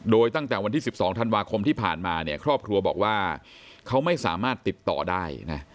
โดยตั้งแต่วันที่๑๒ธันวาคมที่ผ่านมาเนี่ยครอบครัวบอกว่าเขาไม่สามารถติดต่อได้นะ